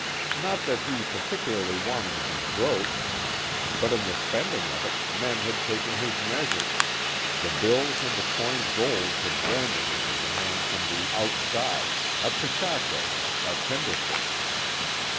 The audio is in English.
Not that he particularly wanted to be "broke." But in the spending of it, men had taken his measure the bills and the coined gold had branded him as a man from the "outside," a chechako a tenderfoot.